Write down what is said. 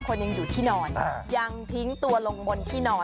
คนยังอยู่ที่นอนยังทิ้งตัวลงบนที่นอน